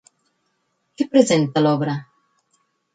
Què presenta l'obra?